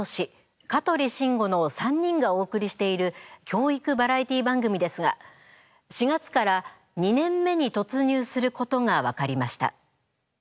香取慎吾の３人がお送りしている教育バラエティー番組ですが４月から２年目に突入することが分かりました。